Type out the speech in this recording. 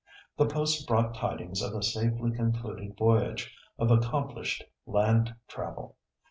The post brought tidings of a safely concluded voyage, of accomplished land travel.